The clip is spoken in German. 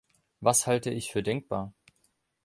Was halte ich für denkbar?